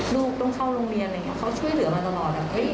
ลูกต้องเข้าโรงเรียนเขาช่วยเหลือมาตลอด